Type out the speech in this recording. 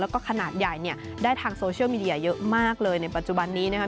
แล้วก็ขนาดใหญ่เนี่ยได้ทางโซเชียลมีเดียเยอะมากเลยในปัจจุบันนี้นะครับ